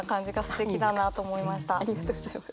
ありがとうございます。